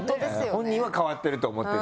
本人は変わってると思ってないし。